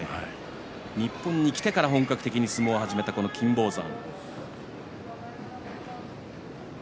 日本に来てから本格的に相撲を始めた金峰山。